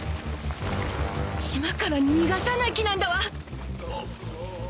島から逃がさない気なんだわ。